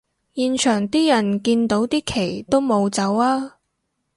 現場啲人睇到啲旗都冇走吖